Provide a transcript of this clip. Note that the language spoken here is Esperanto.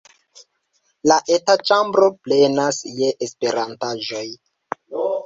La eta ĉambro plenas je Esperantaĵoj.